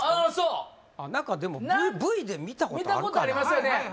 あそうなんかでもＶで見たことあるかな